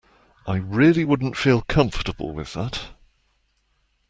I really wouldn't feel comfortable with that.